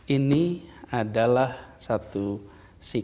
ini adalah satu sikap